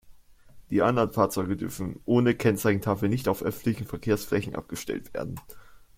Die anderen Fahrzeuge dürfen ohne Kennzeichentafeln nicht auf öffentlichen Verkehrsflächen abgestellt werden.